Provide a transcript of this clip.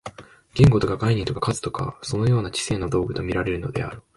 言語とか概念とか数とかは、そのような知性の道具と見られるであろう。